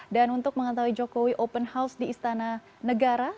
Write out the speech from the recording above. dan untuk mengetahui jokowi open house di istana negara